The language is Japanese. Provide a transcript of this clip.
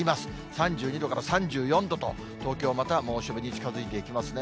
３２度から３４度と、東京はまた猛暑日に近づいていきますね。